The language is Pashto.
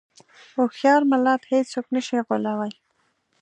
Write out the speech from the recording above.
هوښیار ملت هېڅوک نه شي غولوی.